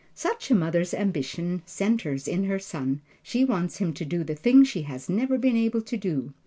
Such a mother's ambition centers in her son. She wants him to do the thing she has never been able to do.